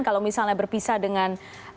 kalau misalnya berpisah dengan